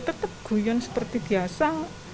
tetap guyun seperti biasa